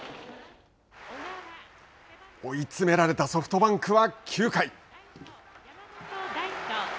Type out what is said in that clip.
追い詰められたソフトバンクは９回。